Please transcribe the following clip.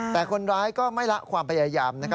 แต่คนร้ายก็ไม่ละความพยายาม